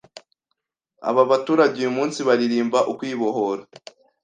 aba baturage uyu munsi baririmba ukwibohora,